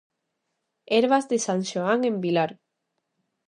Herbas de San Xoán en Vilar.